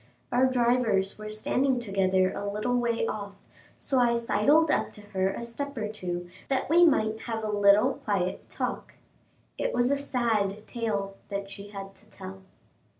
Our drivers were standing together a little way off, so I sidled up to her a step or two, that we might have a little quiet talk. It was a sad tale that she had to tell.